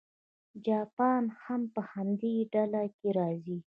جاپان هم په همدې ډله کې راځي.